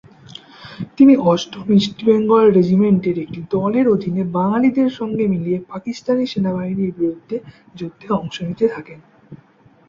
তিনি অষ্টম ইস্ট বেঙ্গল রেজিমেন্টের একটি দলের অধীনে বাঙালিদের সঙ্গে মিলিয়ে পাকিস্তানি সেনাবাহিনীর বিরুদ্ধে যুদ্ধে অংশ নিতে থাকেন।